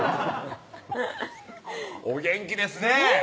お元気ですねぇ！